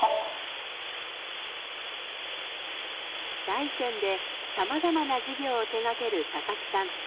大山でさまざまな事業を手がける佐々木さん。